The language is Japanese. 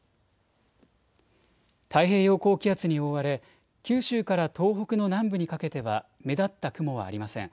太平洋高気圧に覆われ九州から東北の南部にかけては目立った雲はありません。